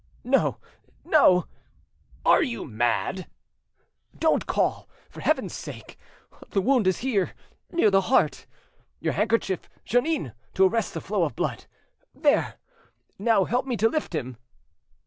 "No, no—" "Are you mad?" "Don't call, for Heaven's sake! The wound is here, near the heart. Your handkerchief, Jeannin, to arrest the flow of blood. There—now help me to lift him."